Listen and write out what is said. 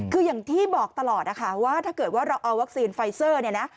คืออย่างที่บอกตลอดนะคะว่าถ้าเกิดว่าเราเอาวัคซีนไฟเซอร์เนี่ยนะ